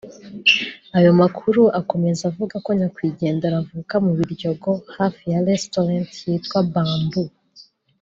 ayo makuru akomeza avuga ko Nyakwigendera avuka mu Biryogo hafi ya Restaurant yitwa Bambou